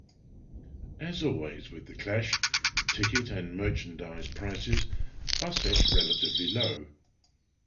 As always with The Clash, ticket and merchandise prices were set relatively low.